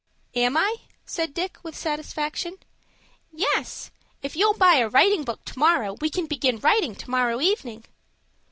"Am I?" said Dick, with satisfaction. "Yes. If you'll buy a writing book to morrow, we can begin writing to morrow evening."